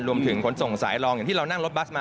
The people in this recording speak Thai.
รวมถึงขนส่งสายรองอย่างที่เรานั่งรถบัสมา